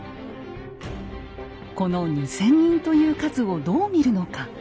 この２，０００人という数をどう見るのか。